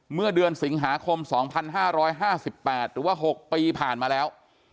เมื่อเดือนสิงหาคมสองพันห้าร้อยห้าสิบแปดหรือว่าหกปีผ่านมาแล้ว